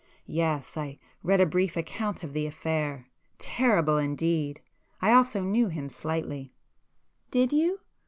"Yes, I read a brief account of the affair—terrible indeed! I also knew him slightly." "Did you?